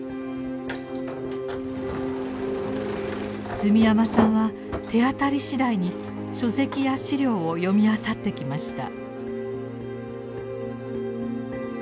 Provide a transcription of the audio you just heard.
住山さんは手当たり次第に書籍や資料を読みあさってきました。